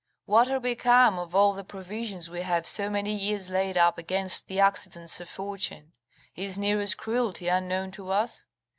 What are become of all the provisions we have so many years laid up against the accidents of fortune? Is Nero's cruelty unknown to us?